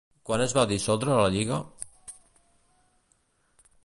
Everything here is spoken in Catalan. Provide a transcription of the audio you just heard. Quan es va dissoldre la Lliga?